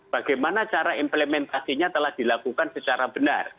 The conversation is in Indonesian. bagaimana cara implementasinya telah dilakukan secara benar